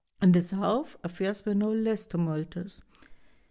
In the South affairs were no less tumultuous.